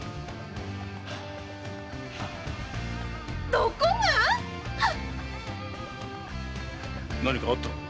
どこがっ⁉何かあったのか？